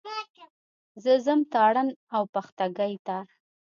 زه ځم تارڼ اوبښتکۍ ته.